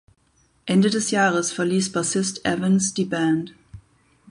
Ende des Jahres verließ Bassist Evans die Band.